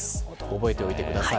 覚えておいてください。